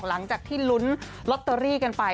หลังจากที่ลุ้นลอตเตอรี่กันไป